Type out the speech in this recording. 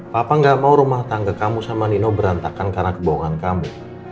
papa gak mau rumah tangga kamu sama nino berantakan karena kebohongan kamu